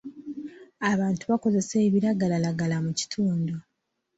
Abantu bakozesa ebiragalalagala mu kitundu.